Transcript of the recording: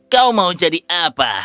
kau mau jadi apa